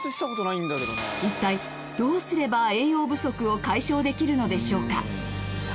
いったいどうすれば栄養不足を解消できるのでしょうか？